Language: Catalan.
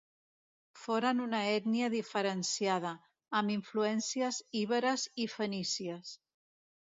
Foren una ètnia diferenciada, amb influències iberes i fenícies.